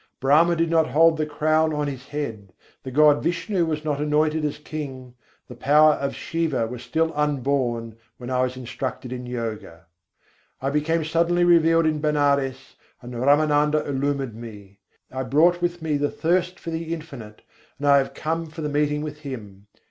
Brahma did not hold the crown on his head; the god Vishnu was not anointed as king; the power of Shiva was still unborn; when I was instructed in Yoga. I became suddenly revealed in Benares, and Râmânanda illumined me; I brought with me the thirst for the Infinite, and I have come for the meeting with Him.